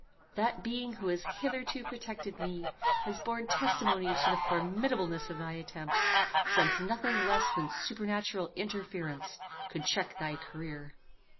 That being who has hitherto protected me has borne testimony to the formidableness of thy attempts, since nothing less than supernatural interference could check thy career.